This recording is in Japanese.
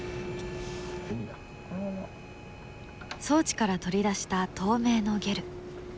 装置から取り出した透明のゲル。